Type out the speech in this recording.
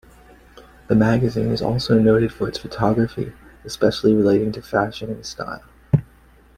The magazine is also noted for its photography, especially relating to fashion and style.